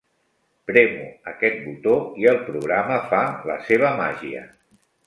Premo aquest botó i el programa fa la seva màgia.